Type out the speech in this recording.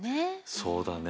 そうだね。